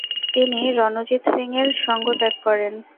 তিনি রণজিৎ সিং এর সঙ্গ ত্যাগ করেন।